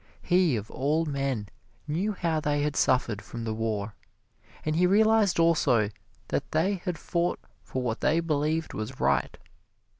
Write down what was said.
He, of all men, knew how they had suffered from the war and he realized also that they had fought for what they believed was right.